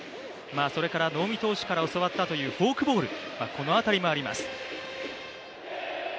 それから能見投手から教わったというフォークボール、このあたりもあります。